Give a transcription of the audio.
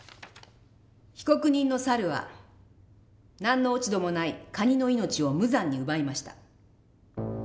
「被告人の猿は何の落ち度もないカニの命を無残に奪いました。